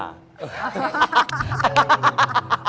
มายกัจเหมือน